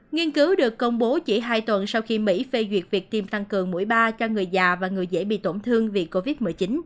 nghiên cứu được công bố chỉ hai tuần sau khi mỹ phê duyệt việc tiêm tăng cường mũi ba cho người già và người dễ bị tổn thương vì covid một mươi chín